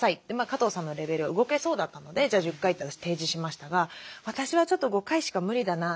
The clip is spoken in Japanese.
加藤さんのレベルは動けそうだったのでじゃあ１０回って私提示しましたが私はちょっと５回しか無理だな。